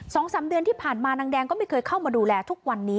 สองสามเดือนที่ผ่านมานางแดงก็ไม่เคยเข้ามาดูแลทุกวันนี้